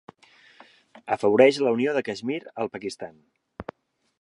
Afavoreix la unió de Caixmir al Pakistan.